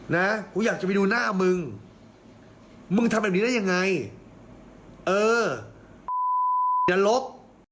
นะกูอยากจะไปดูหน้ามึงมึงทำแบบนี้ได้ยังไงเอออย่าลบ